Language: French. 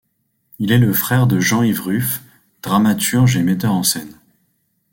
Il est le frère de Jean-Yves Ruf, dramaturge et metteur en scène.